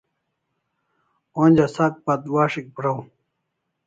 Onja sak batwas'ik praw